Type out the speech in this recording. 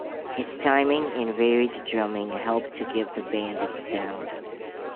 His timing and varied drumming help to give the band its sound.